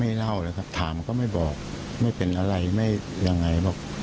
เล่าเลยครับถามก็ไม่บอกไม่เป็นอะไรไม่ยังไงบอก